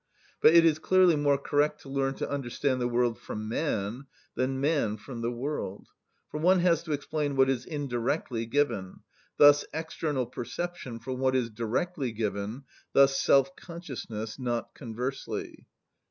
But it is clearly more correct to learn to understand the world from man than man from the world; for one has to explain what is indirectly given, thus external perception from what is directly given, thus self‐consciousness—not conversely.